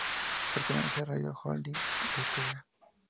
Pertenece a Radio Holding Ltda.